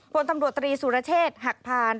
ผลตำรวจตรีสุรเชษฐ์หักพาน